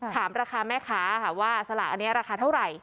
ถามราคาแม่ค้าค่ะว่าสละอันนี้ราคาเท่าไหร่